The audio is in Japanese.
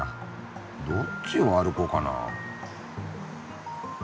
どっちを歩こうかな？